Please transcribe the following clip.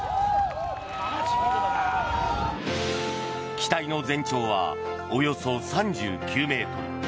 機体の全長はおよそ３９ｍ。